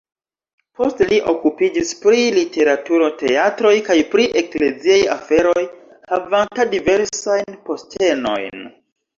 Poste li okupiĝis pri literaturo, teatroj kaj pri ekleziaj aferoj havanta diversajn postenojn.